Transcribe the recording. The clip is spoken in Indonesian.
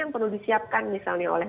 yang perlu disiapkan misalnya oleh